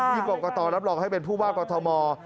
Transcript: ที่ปรากฏรรับรองให้เป็นผู้ว่ากอทรมอล์